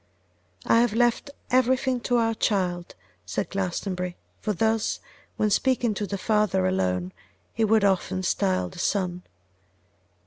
'I have left everything to our child,' said Glastonbury; for thus, when speaking to the father alone, he would often style the son.